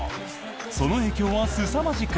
その影響はすさまじく。